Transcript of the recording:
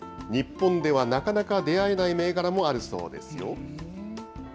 日本ではなかなか出会えない銘柄もあるそうですよ。